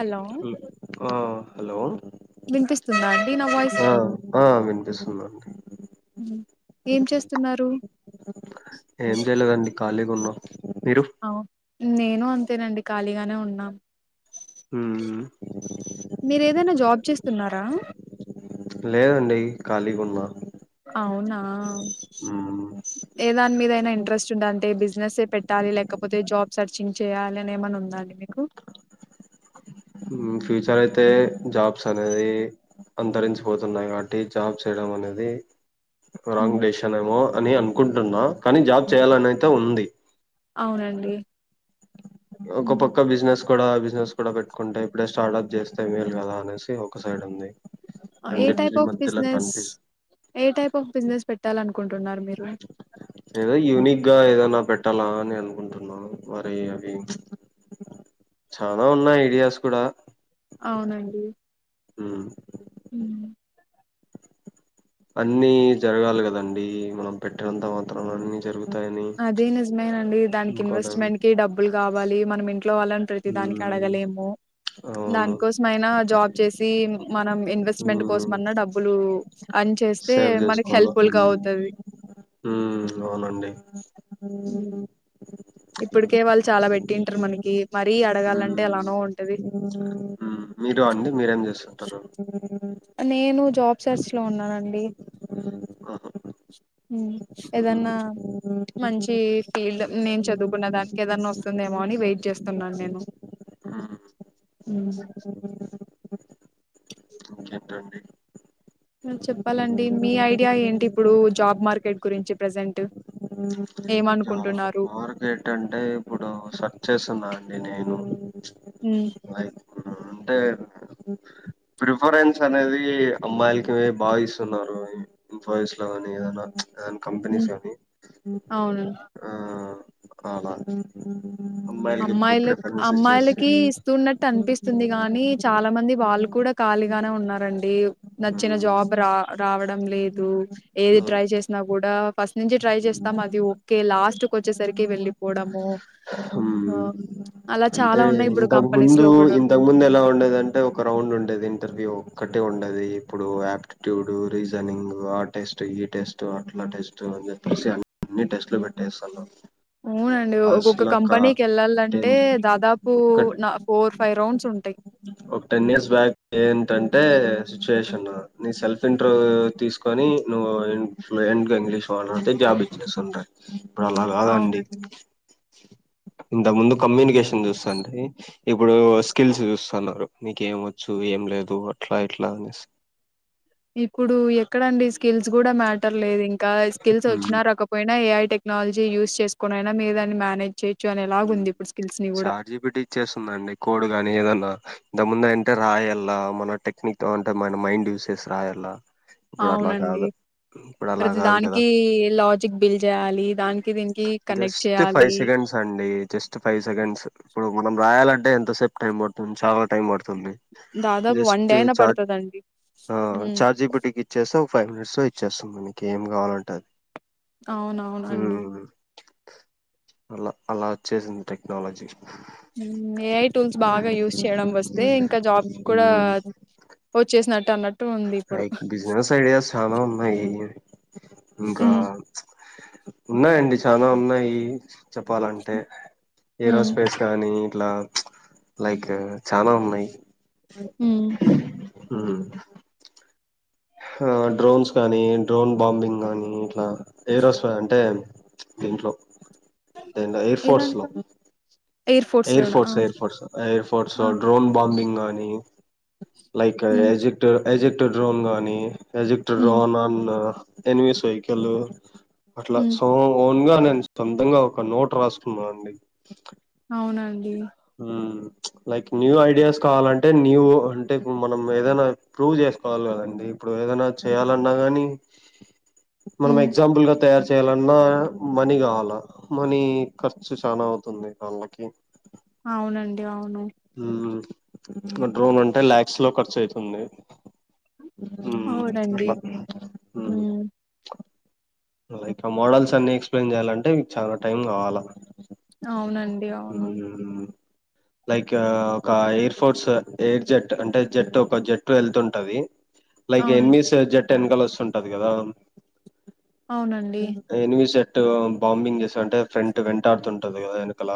Hello మ్మ్ ఆ hello వినిపిస్తుందా అండి నా వాయిస్ పిస్తుందాండి. హ్మ్ ఏం చేస్తున్నారు. ఏం చేయలేదండి ఖాళీగా ఉన్నా మీరు అవున్ నేను అంతేనండి. ఖాళీగానే ఉన్నాం. హు మ్మ్ మీరు ఏదైనా జాబ్ చేస్తున్నారా. లేదండి. ఖాళీగ్ ఉన్నా అవునా మ్మ్ ఏ దాని మీదైనా ఇంట్రెస్ట్ ఉందా అంటే బిజినెస్ ఏ పెట్టాలి. లేకపోతే జాబ్ సర్చింగ్ చేయాలి. అని ఏమైనా ఉందా. అండి మీకు ఉ ఫ్యూచర్ అయితే జాబ్స్ అనేది అంతరించిపోతున్నాయి. కాబట్టి జాబ్ చేయడం అనేది రాంగ్ డేషన్ ఏమో అని అన్ అనుకుంటున్న కానీ జాబ్ చేయాలనైతే ఉంది. అవునండి. ఒక పక్క బిజినెస్ కూడా బిజినెస్ కూడా పెట్టుకుంటే ఇప్పుడే స్టార్టప్ చేస్తే మేల్ కదా అనేసి ఒక సైడ్ ఉంది. ఆ ఏ టైప్ రెండిటి అఫ్ మధ్యలో బిజినెస్ కన్ఫ్యూజన్ ఏ టైప్ ఆఫ్ బిజినెస్ పెట్టాలినుకో ఏదో యూనిక్ గ ఏదన్నా పెట్టాల అని అనుకుంటున్నా మరి అవి చ్ చాలా ఉన్నాయ్. ఐడియాస్ కూడా అవునండి. మ్ ఉ అన్నీ జరగాలి కదండీ. మనం పెట్టినంత మాత్రన అన్ని జరుగ్ అదే నిజమేనండి. దానికి అనుకోలేం ఇన్వెస్ట్మెంట్ కి డబ్బులు కావాలి. మనం ఇం ంట్లో వాళ్ళని ప్రతిదానికి మ్ అడగలేము. అవును దానికోసం అయినా జాబ్ చ్చేసి మనం ఇన్వెస్ట్మెంట్ మ్ కోసంమన్నా డబ్బులు అర్న్ చేస్తే సేవ్ మనకి చేసుకోల హెల్ప్ఫుల్ గా అవుతది ఉ అవునండి. అ ఇప్పటికే వాళ్ళు చాలా పెట్టింటరు మనకి మరీ అడగాలంటే ఎలానో ఉంటది ఉ మీదొ అండి మీరేం చేస్సుంటరు. నేను జాబ్ సెర్చ్ లో ఉన్నానండి. ఆహా ఉ మ్ ఏదన్నా మంచి ఫీల్డ్ నేను చదువుకున్న దానికి ఏదన్నా వస్తుందేమో అని వెయిట్ చేస్తున్నాను నేను. మ్ ఉ ఇంకేంటండి. చెప్పాలండి మీ ఐడియా ఏంటి ఇప్పుడు జాబ్ మార్కెట్ గురించి ప్రెజెంట్ చా మార్కెట్ అంటే ఇప్పుడు సర్చ్ చేస్సున్నా అండి నేను హ్మ్ లైక్ అంటే ప్రిఫరెన్స్ అనేది అమ్మాయిలకి బాయిస్ ఉన్నారు. ఇన్ఫోసిస్ లో కాని ఏదనా కాన్ హ్మ్ కంపెనీస్ అని అవును ఆ అల అమ్మాయిలుక్ అమ్మాయిలకి ఇస్తున్నట్టు అనిపిస్తుంది. గాని చాలా మంది వాళ్ళు కూడా కాలీ గానే ఉన్నారండి. నచ్చిన జాబ్ ఉమ్ రా రావ డంలేదు. ఏది ట్రై చేసినా కూడా ఫస్ట్ నుంచి ట్రై చేస్తాం. అది ఓకే లాస్ట్ కు వచ్చేసరికి వెళ్ళిపోవడము. ఆ అలా చాలా అంటే ఉన్నాయి ఇప్పుడు ఇంతకు కంపెనీస్ ముందు లో కూడా ఇంతకు ముందు ఎలా ఉండేది అంటే ఒక రౌండ్ ఉండేది ఇంటర్వ్యూ ఒక్కటే ఉండది ఇప్పుడు ఆప్టిట్యూడ్, రీజనింగ్ ఆ టెస్ట్, ఈ టెస్ట్, అట్లా టెస్ట్ అని చెప్పేసి అన్ని టెస్ట్లు పెట్టేస్తను. ఊనండి ఒక్కొక్క కంపెనీకి వెల్లాలంటే టెన్ దాదాపు ఒక్క ఫోర్ ఫైవ్ రౌండ్స్ ఉంటాయి ఒక చేసన్నా నీ సెల్ఫ్ ఇంటర్వ్యూ తీసుకొని నువ్వు ఇన్ ఫ్లూఎంట్ గా ఇంగ్లీష్ వాలే జాబ్ ఇచ్చేసి ఉండయి ఇప్పుడు అలా అవును కాదండి. ఇంతకు ముందు కమ్యూనికేషన్ చూస్తండి ఇప్పుడు స్కిల్స్ చూస్తున్నారు. మీకు ఏమి వచ్చు ఏం లేదు అట్లా ఇట్లా అనేసి. ఇప్పుడు ఎక్కడండి స్కిల్స్ కూడా మ్యాటర్ లేదు ఇంకా ఇంకా స్కిల్స్ హ్మ్. వచ్చిన రాకపోయినా ఏ ఐ టెక్నాలజీ యూజ్ చేసుకునైనా మీరు దాన్ని మేనేజ్ చేయొచ్చు అనేలాగుంది ఇప్పుడు స్కిల్స్‌ని గూడా. చార్జీ పెట్టి ఇచ్చేస్తుందండి కోడు కానీ ఏదన్నా ఇంతకు ముందు అంటే రాయ్యల్ల మన టెక్నిక్ అంటే మన మైండ్ యూస్ చేసి రాయాల అవునండి అలా ప్రతి కాదు కదా! దానికి లాజిక్ బిల్డ్ చేయాలి. దానికి దీనికి కనెక్ట్ జస్ట్ ఫైవ్ చేయాలి. సెకండ్స్ అండి జస్ట్ ఫైవ్ సెకండ్స్ ఇప్పుడు మనం రాయాలంటే, ఎంతసేపు టైం పడుతుంది. చాలా టైం పడుతుంది. దాదాపు వన్ జస్ట్ డే అయినా చ పడతదండి. హ్మ్. చార్జీ పెట్టి ఎక్కిచ్చేస్తే ఫైవ్ మినిట్స్ లో ఇచ్చేస్ సం మీకు ఏం కావాలంటే అది అవునవునండి ఉమ్ అలా అలా వచ్చేసింది టెక్నాలజీ ఏఐ టూల్స్ బాగా యూస్ చేయడం వస్తే, ఇంకా జాబ్ కూడా ఉమ్ వచ్చేసినట్టు అన్నట్టు. ఉంది ఇప్పుడు. బిజినెస్ ఐడియా చాలా ఉన్నాయి. అ ఇంకా హ్మ్. ఉన్నాయండి చానా ఉన్నాయి. చెప్పాలంటే ఏరో హ్మ్. స్పేస్ కానీ ఇట్లా లైక్ చానా ఉన్నాయి హ్మ్. అ హు హా డ్రోన్స్ కానీ, డ్రోన్ బాంబింగ్ కానీ, ఇట్లా ఏరోస్ అంటే దీంట్లో ద ఎయిర్ ఏ ఫోర్స్ లో దాంట్లో? ఎయిర్ ఫోర్స్‌లోనా? ఫోర్స్ ఆ! ఎయిర్ ఫోర్స్ ఎయిర్ ఫోర్స్ ఆ! డ్రోన్ బాంబింగ్ అని లైక్ హ్మ్. ఎజ్ ఇట్ ఎజెక్ట డ్రోన్ కానీ ఎజిక్టన్న్ హ్మ్. డ్రోన్ అని ఎనిమిస్ సైకిలు అట్లా హ్మ్. సోఓ ముగా నేను సొంతంగా ఒక నోట్ రాసుకున్నానునండి అవునండి లైక్ న్యూ ఐడియాస్ కావాలంటే న్యూ అంటే మనం ఏదైనా ప్రూవ్ చేసుకోవాలి కదండి ఇప్పుడు ఏదైనా చేయాలన్నా గానీ మనం హ్మ్. ఎగ్జాంపుల్గా తయారు చేి చేయాలన్నా మనీ కావాల మనీ ఖర్చు చాలా అవుతుంది వాళ్ళకి అవునండి అవును హ ఒక డ్రోన్ ఉంటే లలాక్స్ లో ఖర్చు అయితుంది అవునండి. హ్మ్. అ లైక్ ఆ మోడల్స్ అన్ని ఎక్స్ప్లెయిన్ చేయ్యాలంటే మీకు చాలా టైం కావాలా అవునండి అవును మ్మ్ లైక్ ఒక ఎయిర్ ఫోర్స్ ఎయిర్ జెట్ అంటే జెట్ ఒక జెట్ వెళ్తుంటది లైకే అవును. ఎన్నిమిస్ జెట్ టెన్ కలర్స్ ఉంటది కదా అవునండి. ఎనిమిష బాంబింగ్ చేసా అంటే ఫ్రెంట్ వెంటాడుతుంటది కదా వెనకల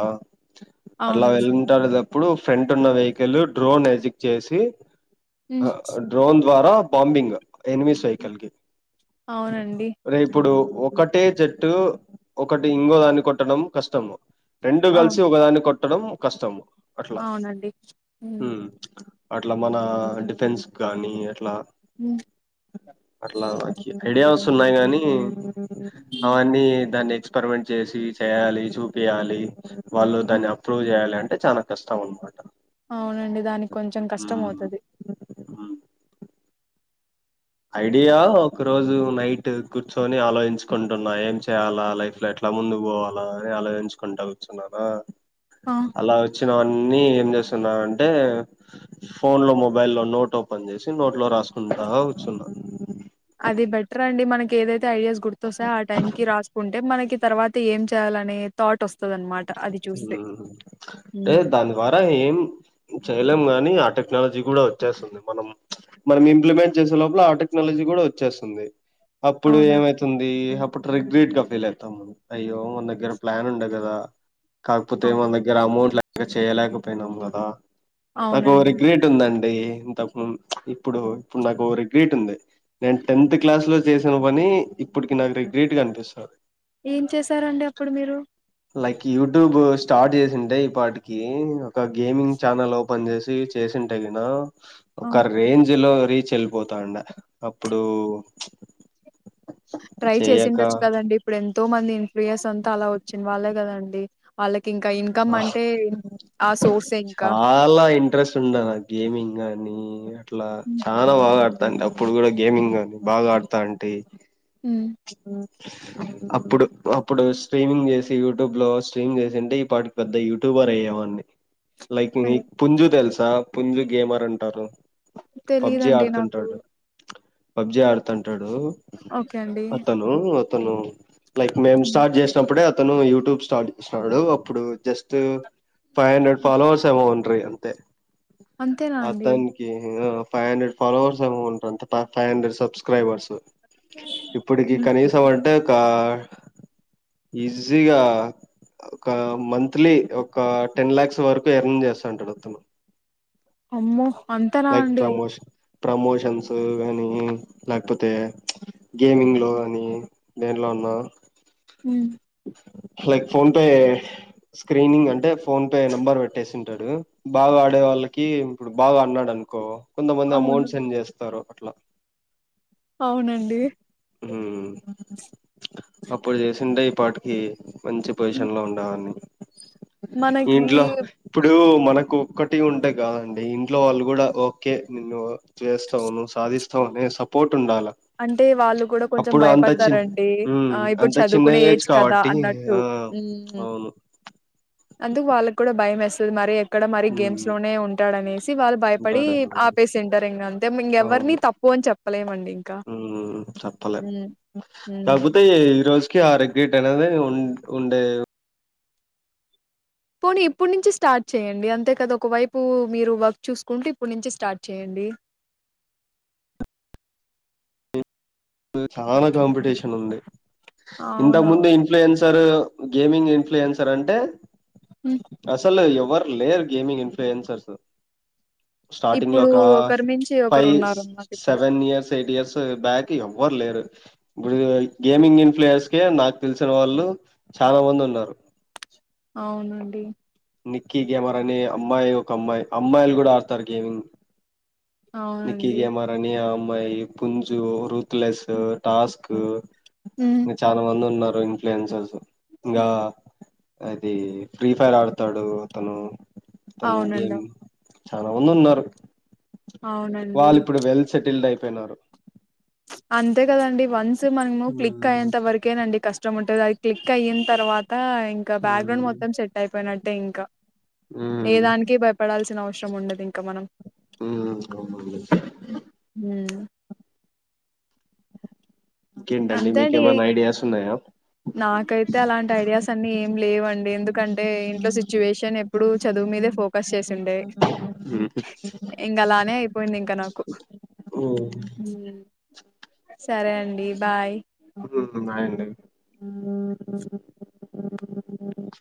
అట్లా అవునండి. వెళంటారు ఇప్పుడు ఫ్రంట్ ఉన్న వెహికల్ డ్రోన్ ఎజిక్ చేసి హ్మ్. డ్రోన్ ద్వారా బాంబింగ్ ఎనిమి హ్మ్. సైకిల్కిి అవునండి. రేపుడు ఒకటే జట్టు ఒకటి ఇంగోదాన్ని కొట్టడం కష్టము రెండు కలిసి అవును. ఒక దాన్ని కొట్ కట్టడం కష్టం అవునండి హ అట్లా మన డిఫెన్స్ కానీ అట్లా హ్మ్. పర్లాక అడిస ఉన్నాయి కాగాని అవన్నీ దాన్ని ఎక్స్పెరిమెంట్ చేసి చేయాలి చూపియాలి వాళ్ళు దాన్ని హ్మ్. అప్రూవ్ చేయాలి అంటే చా కష్టం ఉన్నమాట అవునండి దానికి కొంచెం కష్టం అవుతుది ఆ ఐడియా ఒక రోజు నైట్ కూర్చొని ఆలోచించుకుంటున్నా ఏం చేయాలా లైఫ్ లో ఎట్లా ముందు పోవాలా అని ఆలోచించుకుంటా కూర్చున్నాను ఆ! అలా వచ్చి ఇచ్చినవన్నీ ఏం చేస్తున్నాంటే ఫోన్ లో మొబై లో నోట్ ఓపెన్ చేసి నోట్ లో రాసుకుంట సున్నా అది బెటర్ అండి మనకి ఏదైతే ఐడియాస్ గుర్తొస్తాయి ఆ టైం కి రాసుకుంటే మనకి తర్వాత ఏం చేయాలనే థాట్ వస్తుంది అే హ్మ్. దాని ద్వారా ఏం చెయలేం గాని ఆట టెక్నాలజీ కూడా వచ్చేస్తుంది మనం మనం ఇంప్లిమెంట్ చేసే లోపల ఆ టెక్నాలజీ కూడా వచ్చేస్తుంది అప్పుడు అవునండి. ఏమైతుంది అప్పుడు రిగ్రెట్ గా ఫీల్ అవుతాంనం అయ్యో మన దగ్గర ప్లాన్ ఉండ కదా కాకపోతే అవును. మన దగ్గర అమౌంట్ ఇగ చేయలేకపోయినాం కదా నాకు అవునండి. రిిక్రేట్ ఉందండి అ ఇంతకు ము ఇప్పుడు ఇప్పుడు నాకు రిగ్రేట్ ఉంది నేను టెన్త్ క్లాస్ లో చేసిన పని ఇప్పటికి నాకు రిగ్రేట్ కనిపిస్తుంది ఏం చేశారంండి అప్పుడు మీరు లక్ యూట్యూబస్ స్టార్ట్ చేసింటే ఈ పాటికి ఒక గేమింగ్ ఛానల్ ఓపెన్ చేసి చేసింటే కన ఆ! ఒక రేంజ్ లో రీచ్ వెళ్ళిపోతాండ అప్పుడు ట్రై చేసి చేయక ఉండొచ్చు కదండి ఇప్పుడు ఎంతో మంది ప్రియస్ అంతా అలా వచ్చింది వాళ్ళే కదండి వాళ్ళ సోర్సే ఇంకా చాలా ఇంట్రెస్ట్ ఉండ నా గేమింగ్ అనీ అట్లా హ్మ్ చా బాగా ఆడతాం ఇప్పుడు కూడా గేమింగ్ కాని బాగా ఆడతా అంటే హ్మ్. ఆ అప్పుడు అప్పుడు స్ట్రీమింగ్ చేసి యూట్యూబ్ లో స్ట్రీమి చేసి అంటే ఈ పాటికి పెద్ద యూట్యూబర్ అయ్యేవాని లైక్ మీ అదే పుంజు తెల్స్ ద పుంజు గేమర్ అంటారు పబ్జి తెలియదండి నాకు ఆడుతుంటాడు పబ్జి ఆడుతన్ టడు ఓకే అండి అతను అతను లైక్ మేము హ్మ్. స్టార్ట్ చేసినప్పుడే అ తను యూట్యూబ్ స్టాడ్ స్తాడు అప్పుడు జస్ట్ ఫైవ్ హండ్రెడ్ హ్మ్. ఫాలోవర్స్ ఏమో ఉ ట్రై అంతే అంతేనా అండి అతన్కియో ఫైవ్ హండ్రెడ్ ఫాలోవర్స్ ఏమో ఉంటరంట పై ఫైవ్ హండ్రెడ్ సబ్క్రైబర్స్ ఇప్పటికి హ్మ్. కనీసం అంటే ఒక ఈజీగా ఒక మంత్లీ ఒక టెన్ ల్యాక్స్ వరకు ఎర్న్ చేస్సంటడు, అతను అమ్మో లైక్ అంతరావండి ప్రమోషన్ ప్రమోషన్స్ కానీ లేకపోతే ప్చ్ గేమింగ్ లో అని దేంట్లో ఉన్న హ్మ్. లైక్ ఫోన్ పే స్క్రీనింగ్ అంటే ఫోన్ పే నంబర్ పెట్టేసి ఉంటాడు. బాగా ఆడే వాళ్ళకి ఇప్పుడు బాగఅన్నాడు అనుకో, కొంతమంది అవును అమౌంట్ సెండ్ చేస్తారు ట్లా అవునండి హ్మ్ అప్పుడు జేసింటె ఈ పాటు ఏ మంచి హ్మ్. పొజిషన్ లో ఉండేవాన్ని మనకి ఇంట్లో ఇప్పుడు మనకు ఒక్కటి ఉంటే కాదండి ఇంట్లో వాళ్ళు కూడా ఓకే నిన్ను చేస్తావును సాధిస్ సో నే సపోర్ట్ టుండాల అంటే వాళ్ళు కూడా కొంచెం భయపడతారండి. ఆ ఇప్పుడు అంత చిన్న చదువుకునే ఏజ్ కదా కాబట్టి అన్నట్టు ఆ మ్మ్ అవును అందుకు వాళ్ళకి కూడా భయం వేస్తుంది మరి అక్కడ మరి గేమ్స్ మ్మ్ లోనే ఉంటాడనేసి వాళ్ళు భయపడి ఉంటాడు ఆపేసింటారు, ఇంకా అంతే ఇంకెవరిని అవును తప్పు అని చెప్పలేమండి ఇంకా మ్మ్ చెప్పలే గేట్ అనేది ఉన్ ఉండె పోనీ ఇప్పుడు నుంచి స్టార్ట్ చేయండి అంతే కదా ఒక వైపు మీరు వర్క్ చూసుకుంటు ఇప్పుడు నుంచి స్టార్ట్ చేయండి చానా కాంపిటీషన్ ఉంది ఇంతకముందు అవునవును ఇన్ఫ్లుూయెన్స్ తరు గేమింగ్ ఇన్ఫ్లుయెన్సర్ అంటే హ్మ్. అసలు ఎవర్ లేరు గేమింగ్ ఇన్ఫ్లుూయెన్సర్స్ స్టార్టింగ్ లో ఇప్పుడు ఒక ఒకరి మించి ఒకరు ఫైవ్ ఉన్నారు మాకు ఇప్పుడు seven years eight years back ఎవ్వర్ లేరు ఇప్పుడు గేమింగ్ ఇన్ఫ్లయర్స్ కే నాకు తెలిసిన వాళ్ళు చాలా మంది ఉన్నారు అవునండి నిక్కీ గేమర్ అనీ అమ్మాయి ఒక అమ్మాయి అమ్మాయిలు కూడా ఆడతారు గేమింగ్ నిక్కి అవునండి గేమర్ అని ఆమ్ మై పుంజు రుత్ లెస్ టాస్క్ ఉమ్ ఉ చాలా మంది ఉన్నారు ఇన్ఫ్లుయెన్సర్స్ ఇంగా అదీ ఫ్రీ ఫైర్ ఆడు తాడు అతను తను అవునండి గేమ్ చాలా మంది ఉన్నారు అవునండి వాళ్ళు ఇప్పుడు వెల్ సెటిల్డ్ అయిపో పోయినారు అంతే కదండి వన్ న్స్ మనము క్లిక్ ఉమ్ అయ్యంత వరకేనండి కష్టం ఉం టది అది క్లిక్ అయిన తర్వా త ఇంకా బ్యాక్గ్రౌండ్ ఉమ్ మొత్తం సెట్ అయిపోయినట్ టేంకా ఏ దానికి భయపడాల్సిన అవ సరం ఉండదు ఇన్ ఉ అవునండి హ్మ్ ఇంకేంటండి అంతే అండి మీకేమైనా ఐడియాస్ ఉన్నాయా? నాకైతే అలాంటి ఐడియాస్ సన్ని ఏం లేవం డి ఎందుకంటే ఇంట్లో సిచ్యువేషన్ ఎప్పుడు చదువు మీదే ఫోకస్ చేసిండే ఉమ్ ఇంగలానే పోయింది ఇంక నాకు ఓ హ్మ్ సరే అండి బాయ్ ఒద్దు ఒద్దు నాయండి ఆ